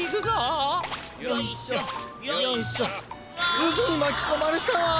うずにまきこまれたわ！